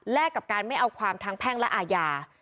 และกับการไม่เอาความทั้งแพ่งและอาญา